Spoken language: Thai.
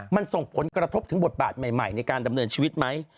มันส่งผลกระทบถึงบทบาทใหม่ในการดำเนินชีวิตไหม